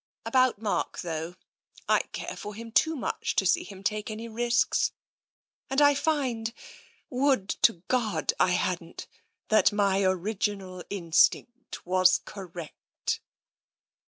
" About Mark, though — I care for him too much to see him take any risks. And I find — would to God I hadn't !— that my original instinct was correct."